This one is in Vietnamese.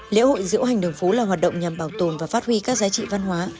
lễ hội diễu hành đường phố là hoạt động nhằm bảo tồn và phát huy các giá trị văn hóa